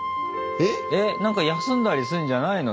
えっなんか休んだりすんじゃないの？